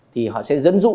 thì họ sẽ dẫn dụng